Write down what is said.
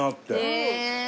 へえ。